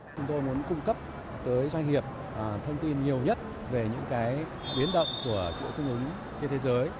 chúng tôi muốn cung cấp tới doanh nghiệp thông tin nhiều nhất về những biến động của chuỗi cung ứng trên thế giới